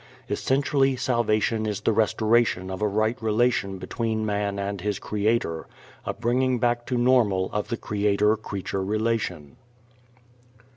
Essentially salvation is the restoration of a right relation between man and his Creator, a bringing back to normal of the Creator creature relation.